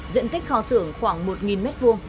diện tích kho xưởng khoảng một m hai